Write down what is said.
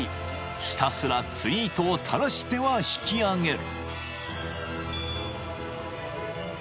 ひたすら釣り糸を垂らしては引き揚げる］